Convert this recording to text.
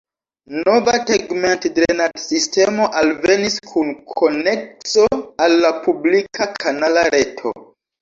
Nova tegmentdrenadsistemo alvenis kun konekso al la publika kanala reto.